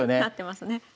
なってますね。